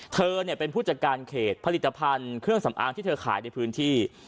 เธอเป็นผู้จัดการเขตผลิตภัณฑ์เครื่องสำอางที่เธอขายในพื้นที่